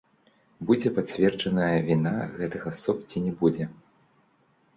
Будзе пацверджаная віна гэтых асоб ці не будзе.